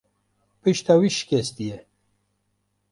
Pişta wî şikestiye.